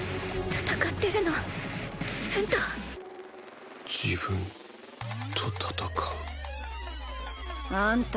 戦ってるの自分と自分と戦うあんた